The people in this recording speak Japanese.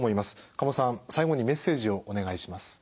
加茂さん最後にメッセージをお願いします。